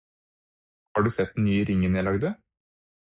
Har du sett den nye ringen jeg lagde?